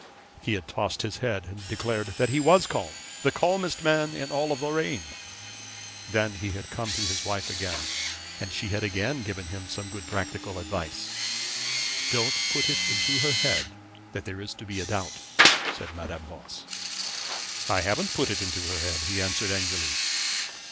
He had tossed his head and declared that he was calm; the calmest man in all Lorraine. Then he had come to his wife again, and she had again given him some good practical advice. 'Don't put it into her head that there is to be a doubt,' said Madame Voss. 'I haven't put it into her head,' he answered angrily.